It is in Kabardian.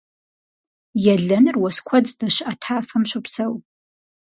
Елэныр уэс куэд здэщыӀэ тафэм щопсэу.